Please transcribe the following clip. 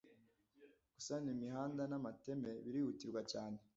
gusana imihanda n'amateme birihutirwa cyane